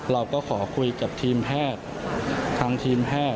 เราก็ขอคุยกับทีมแฮททำทีมแฮท